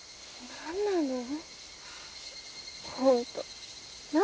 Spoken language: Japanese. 何なのよ？